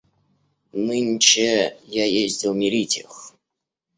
Нынче я ездил мирить их.